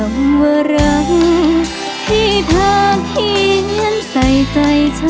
คำว่ารักที่ทางที่เน้นใส่ใจฉัน